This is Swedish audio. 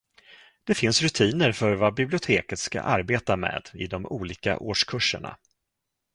Det finns rutiner för vad biblioteket ska arbeta med i de olika årskurserna.